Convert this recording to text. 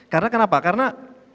karena kenapa karena